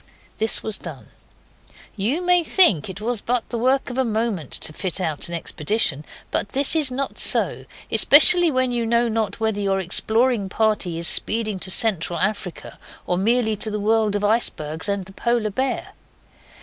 This was done. You may think it but the work of a moment to fit out an expedition, but this is not so, especially when you know not whether your exploring party is speeding to Central Africa or merely to the world of icebergs and the Polar bear.